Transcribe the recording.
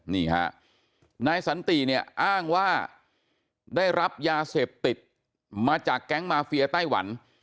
นี่ฮะนายสันติเนี่ยอ้างว่าได้รับยาเสพติดมาจากแก๊งมาเฟียไต้หวัน